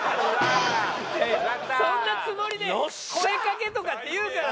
そんなつもりで声掛けとかって言うからだよ。